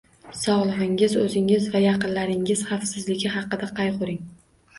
Sog'ligingiz, o'zingiz va yaqinlaringiz xavfsizligi haqida qayg'uring